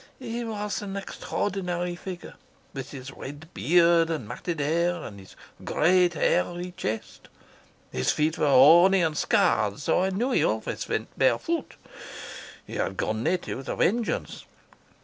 He was an extraordinary figure, with his red beard and matted hair, and his great hairy chest. His feet were horny and scarred, so that I knew he went always bare foot. He had gone native with a vengeance.